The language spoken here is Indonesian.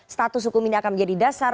status hukum ini akan menjadi dasar